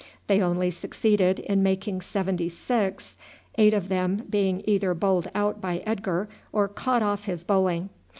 They only succeeded in making seventy six, eight of them being either bowled out by Edgar or caught off his bowling.